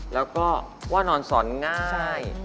แล้วก็ว่านอนสอนง่าย